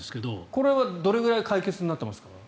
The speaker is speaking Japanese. これはどれぐらい解決になってますか？